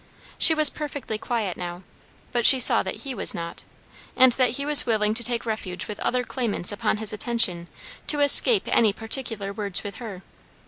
She was perfectly quiet now, but she saw that he was not; and that he was willing to take refuge with other claimants upon his attention to escape any particular words with her.